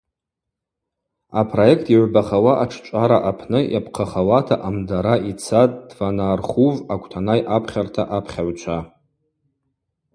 Апроект йгӏвбахауа ашӏчӏвара апны йапхъахауата амдара йцатӏ Тванаархув аквтанай апхьарта апхьагӏвчва.